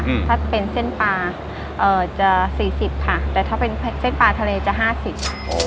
อืมถ้าเป็นเส้นปลาเอ่อจะสี่สิบค่ะแต่ถ้าเป็นเส้นปลาทะเลจะห้าสิบ